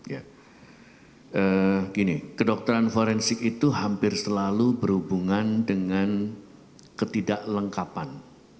ya gini kedokteran forensik itu hampir selalu berhubungan dengan ketidaklengkapan